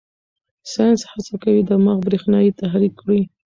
ساینس هڅه کوي دماغ برېښنايي تحریک کړي.